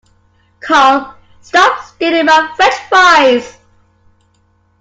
Cole, stop stealing my french fries!